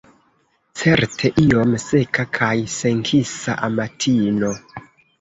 Certe iom seka kaj senkisa amatino.